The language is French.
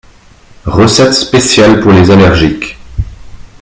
Recette spéciale pour les allergiques